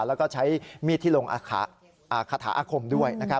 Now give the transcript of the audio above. แล้วก็ใช้มีดที่ลงคาถาอาคมด้วย